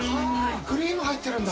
クリーム入ってるんだ。